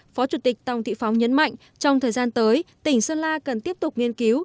phó chủ tịch tổng thị phóng nhấn mạnh trong thời gian tới tỉnh sơn la cần tiếp tục nghiên cứu